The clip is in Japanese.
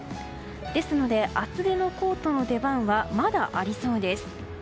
ですので、厚手のコートの出番はまだありそうです。